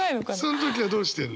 その時はどうしてんの？